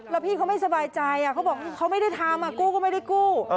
แล้วพี่เขาไม่สบายใจเขาบอกเขาไม่ได้ทำกู้ก็ไม่ได้กู้